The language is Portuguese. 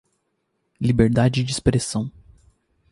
Liberdade de expressão